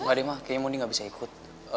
enggak deh ma kayaknya mondi gak bisa ikut